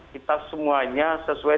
kita semuanya sesuai